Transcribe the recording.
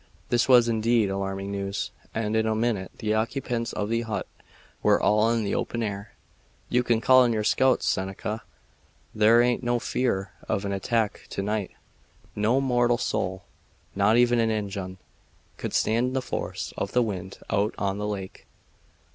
This was, indeed, alarming news. And in a minute the occupants of the hut were all in the open air. "You can call in your scouts, Seneca. There aint no fear of an attack to night. No mortal soul not even an Injun could stand the force of the wind out on the lake."